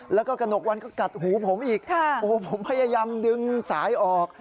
แล้วก็กระหนกวันก็กัดหูผมอีกโอ้โหผมพยายามดึงสายออก